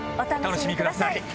お楽しみください。